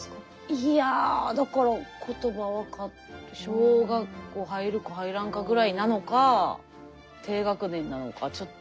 いやだから言葉分かって小学校入るか入らんかぐらいなのか低学年なのかちょっと定かではないんですけど。